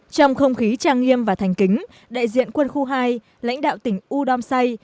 trong không khí trang nghiêm và thành kính đại diện quân khu hai lãnh đạo tỉnh udomsai